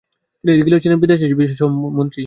তিনি ছিলেন বিদেশ বিষয়ক মন্ত্রী।